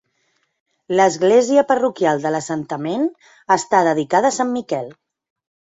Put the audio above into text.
L'església parroquial de l'assentament està dedicada a Sant Miquel.